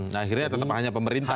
nah akhirnya tetap hanya pemerintah